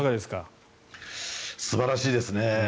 素晴らしいですね。